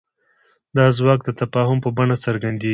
دا ځواک د تفاهم په بڼه څرګندېږي.